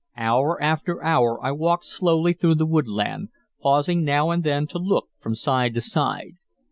Hour after hour I walked slowly through the woodland, pausing now and then to look from side to side.